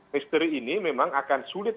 misteri ini memang akan sulit